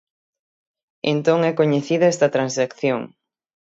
Entón é coñecida esta transacción.